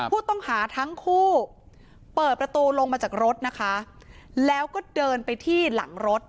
ผู้ต้องหาทั้งคู่เปิดประตูลงมาจากรถนะคะแล้วก็เดินไปที่หลังรถ